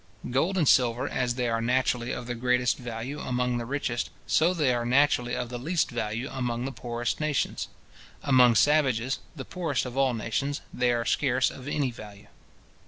Gold and silver, as they are naturally of the greatest value among the richest, so they are naturally of the least value among the poorest nations. Among savages, the poorest of all nations, they are scarce of any value.